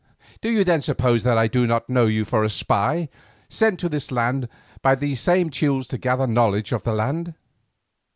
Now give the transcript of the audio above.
Do you then suppose that I do not know you for a spy sent to this land by these same Teules to gather knowledge of the land?